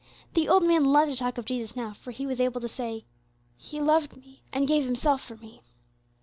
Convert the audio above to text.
The old man loved to talk of Jesus now, for he was able to say, "He loved me, and gave Himself for me."